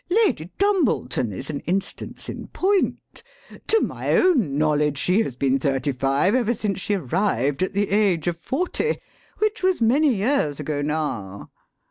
Lady Dumbleton is an instance in point. To my own knowledge she has been thirty five ever since she arrived at the age of forty, which was many years ago now.